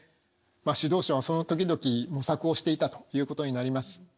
指導者はその時々模索をしていたということになります。